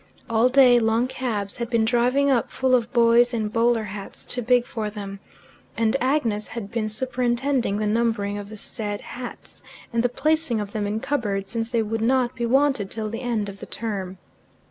All day long cabs had been driving up, full of boys in bowler hats too big for them; and Agnes had been superintending the numbering of the said hats, and the placing of them in cupboards, since they would not be wanted till the end of the term.